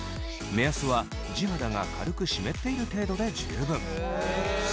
目安は地肌が湿っている程度で十分。